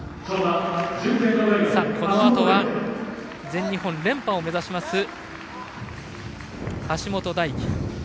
このあとは全日本連覇を目指す橋本大輝。